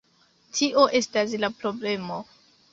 Tio estas la problemo